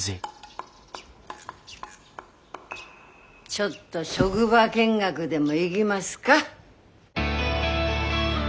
ちょっと職場見学でも行ぎますか？